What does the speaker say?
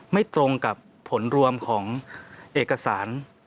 ไม่ตรงกับผลรวมของเอกสาร